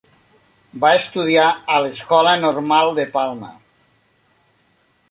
Va estudiar a l'Escola Normal de Palma.